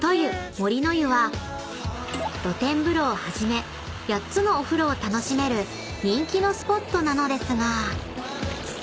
［露天風呂をはじめ８つのお風呂を楽しめる人気のスポットなのですが］